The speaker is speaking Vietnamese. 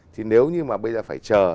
thì nếu như mà bây giờ phải chờ